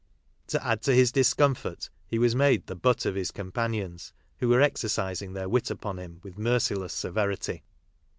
To add to his discomfort, he was made the butt of his companions who were exercising their wit upon him with merci less severity.